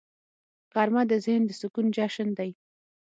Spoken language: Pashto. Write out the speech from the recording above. غرمه د ذهن د سکون جشن دی